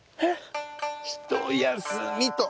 ひとやすみと。